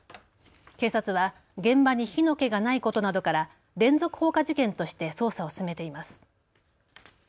警察は現場に火の気がないことなどから連続放火事件として捜査を進めています。